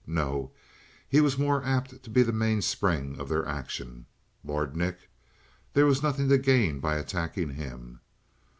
No, he was more apt to be the mainspring of their action. Lord Nick? There was nothing to gain by attacking him.